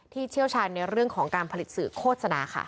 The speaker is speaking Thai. เชี่ยวชาญในเรื่องของการผลิตสื่อโฆษณาค่ะ